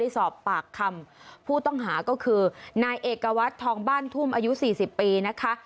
มีแอปเพิ่มมาด้วยอ่ะคะปัญหาใหม่มาเลยนะ